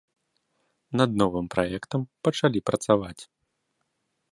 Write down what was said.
Над новымі праектамі пачалі працаваць.